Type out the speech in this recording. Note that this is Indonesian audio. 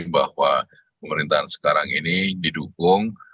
bahwa pemerintahan sekarang ini didukung